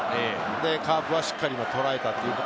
カーブはしっかりとらえた。